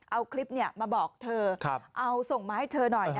เอาคลิปมาบอกเธอเอาส่งมาให้เธอหน่อย